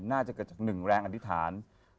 น่าจะเกิดจาก๑แรงอธิษฐาน